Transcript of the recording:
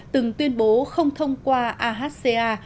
từng tuyên bố không thông qua ahca